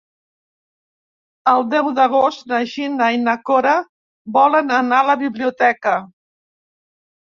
El deu d'agost na Gina i na Cora volen anar a la biblioteca.